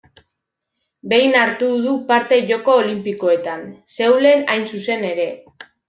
Behin hartu du parte Joko Olinpikoetan: Seulen hain zuzen ere.